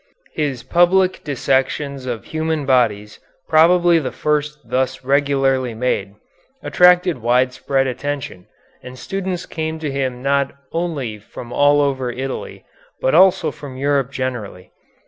His public dissections of human bodies, probably the first thus regularly made, attracted widespread attention, and students came to him not only from all over Italy, but also from Europe generally.